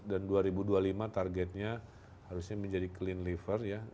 dan dua ribu dua puluh lima targetnya harusnya menjadi clean liver ya